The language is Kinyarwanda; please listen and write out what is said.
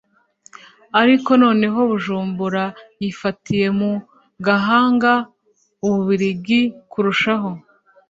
ariko noneho Bujumbura yifatiye mu gahanga u Bubiligi kurushaho